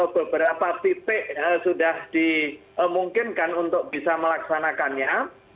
beberapa titik sudah dimungkinkan untuk bisa melaksanakannya